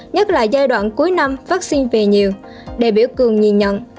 nhất là giai đoạn cuối năm vaccine về nhiều để biểu cường nhìn nhận